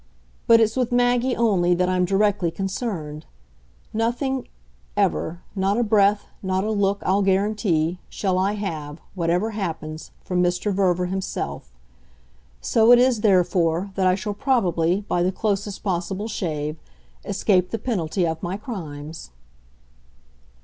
But it's with Maggie only that I'm directly concerned; nothing, ever not a breath, not a look, I'll guarantee shall I have, whatever happens, from Mr. Verver himself. So it is, therefore, that I shall probably, by the closest possible shave, escape the penalty of my crimes."